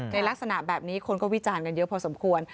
ในลักษณะแบบนี้คนก็วิจารณ์กันเยอะพอสมควร